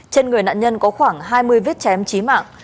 trên người nạn nhân có khoảng hai mươi vết chém trí mạng